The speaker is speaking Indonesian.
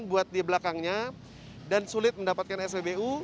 buat di belakangnya dan sulit mendapatkan spbu